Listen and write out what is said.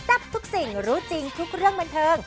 ทับทุกสิ่งรู้จริงทุกเรื่องบันเทิง